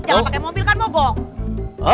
jangan pakai mobil kan mobok